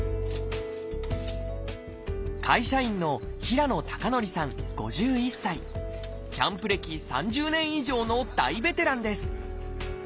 会社員のキャンプ歴３０年以上の大ベテランです